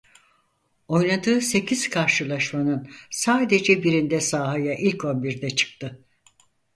Oynadığı sekiz karşılaşmanın sadece birinde sahaya ilk onbirde çıktı.